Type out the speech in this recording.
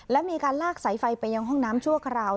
และมีการลากสายไฟไปยังห้องน้ำชั่วคราว